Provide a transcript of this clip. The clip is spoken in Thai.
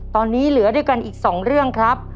ตอนนี้เหลือด้วยกันอีก๒เรื่องครับ